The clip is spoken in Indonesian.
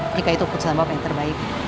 jika itu ikut sama bapak yang terbaik